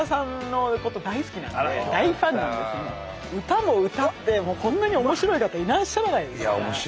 歌も歌ってこんなに面白い方いらっしゃらないですから。